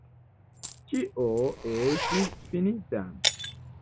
Ĉio estis finita.